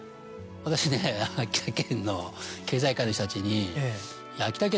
私ね秋田県の経済界の人たちに。